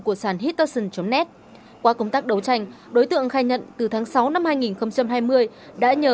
của sàn hectason net qua công tác đấu tranh đối tượng khai nhận từ tháng sáu năm hai nghìn hai mươi đã nhờ